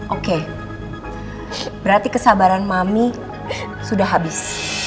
oke berarti kesabaran mami sudah habis